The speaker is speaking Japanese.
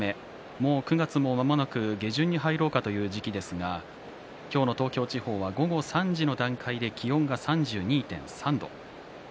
もう９月もまもなく下旬に入ろうかという時期ですが今日の東京地方は午後３時の段階で気温が３２．３度。